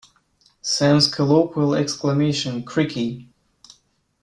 Sam's colloquial exclamation Crikey!